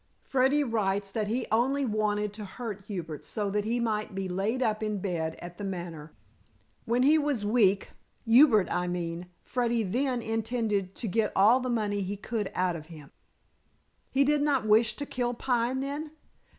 Freddy writes that he only wanted to hurt Hubert so that he might be laid up in bed at The Manor. When he was weak Hubert, I mean Freddy then intended to get all the money he could out of him." "He did not wish to kill Pine, then?"